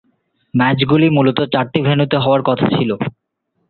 ম্যাচগুলি মূলত চারটি ভেন্যুতে হওয়ার কথা ছিল।